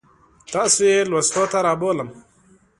تاسو یې لوستو ته رابولم.